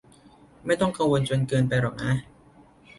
ไม่ต้องกังวลจนเกินไปหรอกนะ